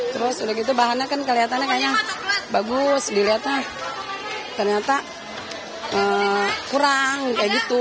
terus udah gitu bahannya kan kelihatannya kayaknya bagus dilihat nih ternyata kurang kayak gitu